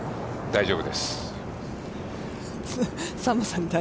大丈夫です。